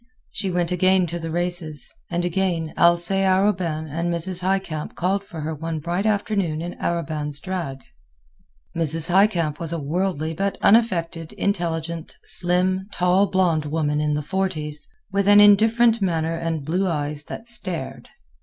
She went again to the races, and again. Alcée Arobin and Mrs. Highcamp called for her one bright afternoon in Arobin's drag. Mrs. Highcamp was a worldly but unaffected, intelligent, slim, tall blonde woman in the forties, with an indifferent manner and blue eyes that stared.